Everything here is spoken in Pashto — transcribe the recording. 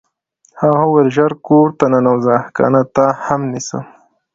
هغه وویل ژر کور ته ننوځه کنه تا هم نیسم